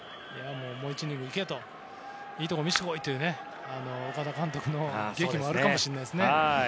もう１イニングいけいいところを見せて来いという監督の檄もあるかもしれないですね。